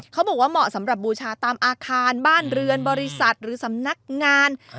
เขาบอกว่าเหมาะสำหรับบูชาตามอาคารบ้านเรือนบริษัทหรือสำนักงาน